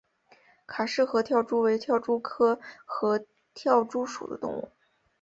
卡氏合跳蛛为跳蛛科合跳蛛属的动物。